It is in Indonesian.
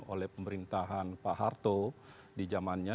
oleh pemerintahan pak harto di zamannya